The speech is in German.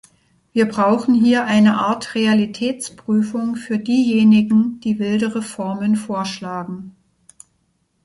Wir brauchen hier eine Art Realitätsprüfung für diejenigen, die wilde Reformen vorschlagen.